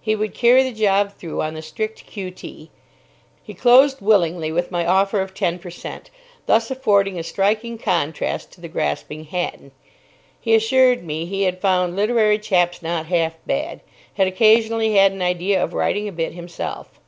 He would carry the job through on the strict Q.T. He closely willingly with my offer of ten per cent, thus affording a striking contrast to the grasping Hatton. He assured me he had found literary chaps not half bad. Had occasionally had an idea of writing a bit himself.